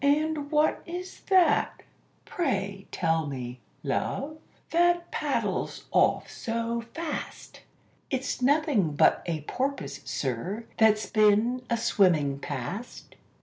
"And what is that, pray tell me, love, that paddles off so fast?" "It's nothing but a porpoise, sir, that's been a swimming past."